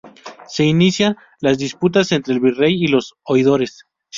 Se inician las disputas entre el virrey y los oidores.